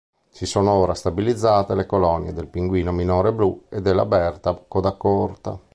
Si sono ora stabilizzate le colonie del pinguino minore blu e della berta codacorta.